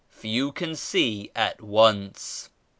Few can see at once.